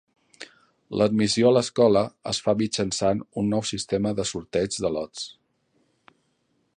L'admissió a l'escola es fa mitjançant un nou sistema de sorteig de lots.